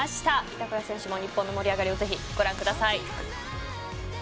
板倉選手も日本の盛り上がりをご覧ください。